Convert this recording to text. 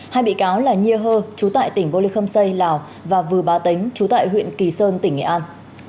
hai bị cáo là nhiê hơ trú tại tỉnh vô lê khâm xây lào và vừa ba tính trú tại huyện kỳ sơn tỉnh nghệ an